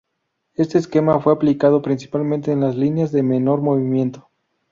Este esquema fue aplicado, principalmente, en las líneas de menor movimiento.